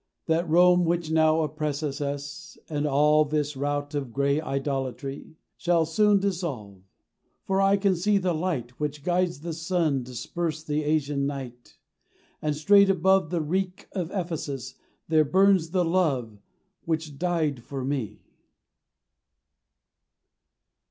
That Rome which now oppresses us, And all this rout of grey idolatry Shall soon dissolve. For I can see the Light Which guides the sun disperse the Asian night: And straight above the reek of Ephesus There burns the Love which died for me.